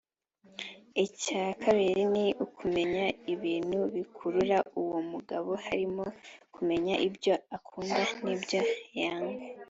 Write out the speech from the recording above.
Icya kabiri ni ukumenya ibintu bikurura uwo mugabo harimo kumenya ibyo akunda n’ibyo yanga